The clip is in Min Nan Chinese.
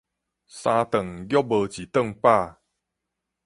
三頓逐無一頓飽